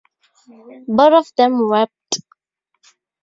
Both of them wept.